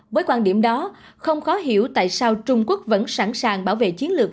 với quan điểm đó không khó hiểu tại sao trung quốc vẫn sẵn sàng bảo vệ chiến lược